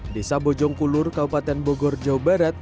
desa bojong kulur kabupaten bogor jawa barat